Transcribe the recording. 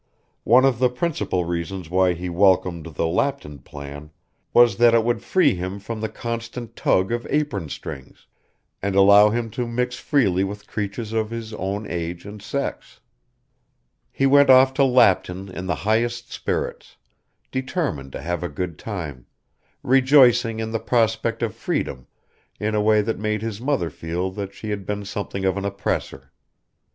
One of the principal reasons why he welcomed the Lapton plan was that it would free him from the constant tug of apron strings, and allow him to mix freely with creatures of his own age and sex. He went off to Lapton in the highest spirits, determined to have a good time, rejoicing in the prospect of freedom in a way that made his mother feel that she had been something of an oppressor.